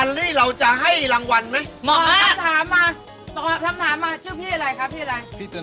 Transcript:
ริมเดี๋ยดเอาม้าม้าชิ้นปากไปเลยพี่แบบ